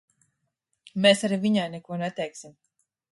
Mēs arī viņai neko neteiksim.